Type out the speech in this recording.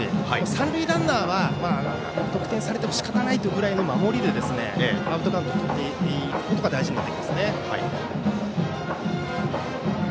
三塁ランナーは得点されても仕方ないくらいの守りでアウトカウントをとっていくことが大事になってきますね。